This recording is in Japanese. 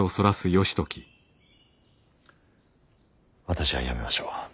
私はやめましょう。